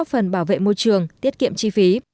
phần bảo vệ môi trường tiết kiệm chi phí